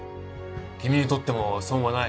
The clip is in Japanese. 君にとっても損はない。